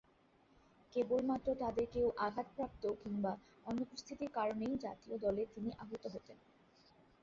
কেবলমাত্র তাদের কেউ আঘাতপ্রাপ্ত কিংবা অনুপস্থিতির কারণেই জাতীয় দলে তিনি আহুত হতেন।